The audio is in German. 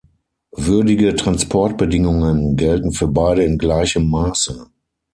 Würdige Transportbedingungen gelten für beide in gleichem Maße.